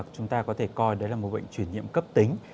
chúng ta có thể coi đấy là một bệnh chuyển nhiễm cấp tính